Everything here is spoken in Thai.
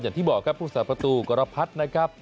อย่างที่บอกครับผู้สาประตูกรพัฒน์นะครับ